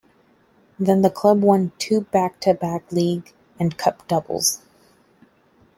Then the club won two back to back league and cup doubles.